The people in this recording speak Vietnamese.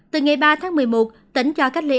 từ ngày ba tháng một mươi một tỉnh cho cách ly